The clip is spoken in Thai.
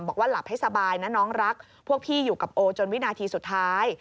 บอกว่าหลับให้สบายนะน้องรักพวกพี่อยู่กับโอจนวินาทีสุดท้าย